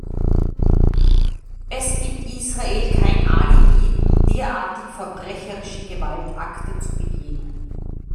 Es gibt Israel kein Alibi, derartig verbrecherische Gewaltakte zu begehen.